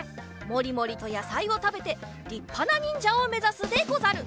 もりもりとやさいをたべてりっぱなにんじゃをめざすでござる。